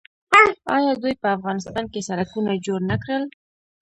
آیا دوی په افغانستان کې سړکونه جوړ نه کړل؟